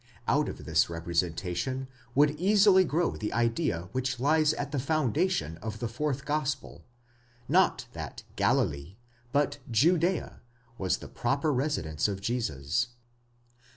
Out of this representation would easily grow the idea which lies at the foundation of the fourth gospel, that not Galilee, but Judea, was the proper residence of Jesus.